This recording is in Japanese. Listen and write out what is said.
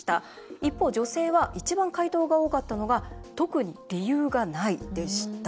一方、女性は一番回答が多かったのが特に理由がないでした。